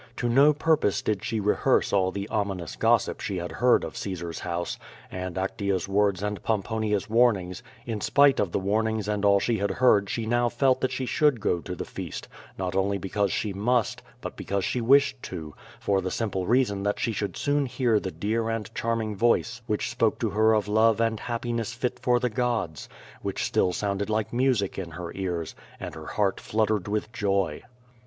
To no purpose did she rehearse all the ominous gossip she had heard of Caesar's house, and Actea's words and Pompo nia's warnings, in spite of the warnings and all she had heard she now felt that she should go to the feast, not only because she must, but because she wished to, for the simple reason that she should soon hear the dear and charming voice which spoke to her of love and happiness fit for the gods; which still sounded like music in her ears, and her heart fluttered with joy.